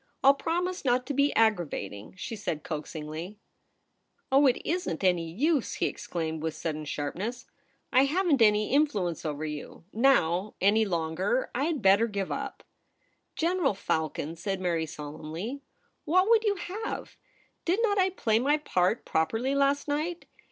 I'll promise not to be aggravating,' she said coaxingly. * Oh, it isn't any use !' he exclaimed with sudden sharpness. * I haven't any influence over you — now ; any longer. I had better give up.' ' General Falcon,' said Mary solemnly, ' what would you have ? Did not I play my part properly last night